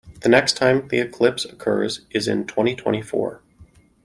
The next time the eclipse occurs is in twenty-twenty-four.